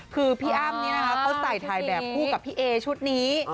คือพี่อ้ำนี่นะคะเขาใส่ถ่ายแบบคู่กับพี่เอชุดนี้